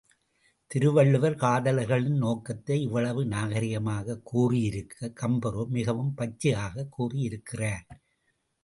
திருவள்ளுவர் காதலர்களின் நோக்கத்தை இவ்வளவு நாகரிகமாகக் கூறியிருக்க, கம்பரோ மிகவும் பச்சையாகக் கூறியிருக்கிறார்.